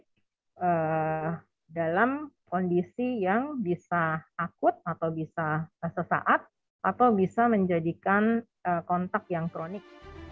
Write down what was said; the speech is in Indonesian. menyebabkan inc pensekan atau apa namanya pantalla mengedykan suatu keradangan pada kulit dalam kondisi yang bisa takut atau bisa tersesat atau bisa menjadikan kontak yang kronik